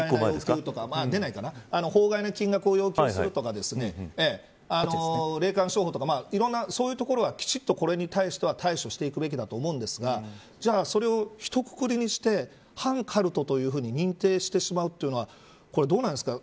法外な金額を要求するとか霊感商法とか、いろんなそういうところはきちんとこれに対しては対処していくべきだと思うんですがじゃあ、それをひとくくりにして反カルト団体に認定してしまうというのはこれはどうなんですか。